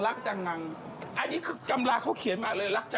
อันนี้กำลังเขาเขียนมาเลยรักจังง